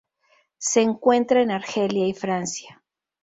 Se encuentra en Argelia y Francia.